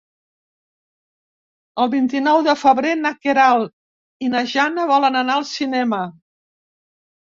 El vint-i-nou de febrer na Queralt i na Jana volen anar al cinema.